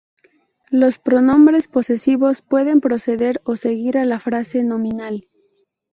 Los pronombres posesivos pueden preceder o seguir a la frase nominal.